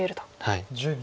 はい。